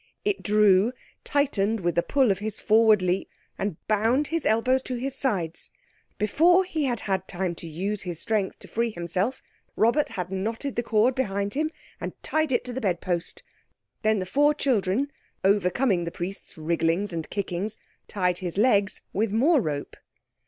It drew, tightened with the pull of his forward leap, and bound his elbows to his sides. Before he had time to use his strength to free himself, Robert had knotted the cord behind him and tied it to the bedpost. Then the four children, overcoming the priest's wrigglings and kickings, tied his legs with more rope.